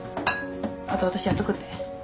あと私やっとくんで。